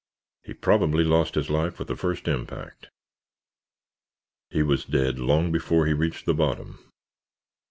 He probably lost his life with the first impact. He was dead long before he reached the bottom."